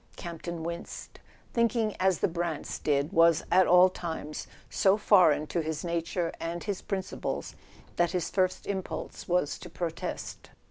Campton winced. Thinking as the Brants did was, at all times, so foreign to his nature and his principles that his first impulse was to protest.